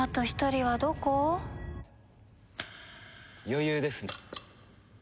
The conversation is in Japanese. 余裕ですね。